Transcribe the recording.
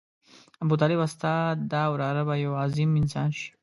ابوطالبه ستا دا وراره به یو عظیم انسان شي.